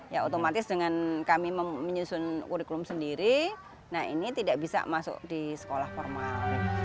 ya otomatis dengan kami menyusun kurikulum sendiri nah ini tidak bisa masuk di sekolah formal